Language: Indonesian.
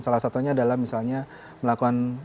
salah satunya adalah misalnya melakukan wiretapping gitu ya